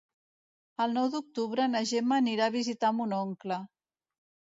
El nou d'octubre na Gemma anirà a visitar mon oncle.